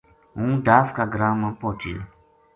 ہوں داس کا گراں ما پوہچیو